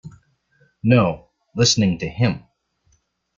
No, listening to him.